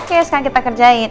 oke sekarang kita kerjain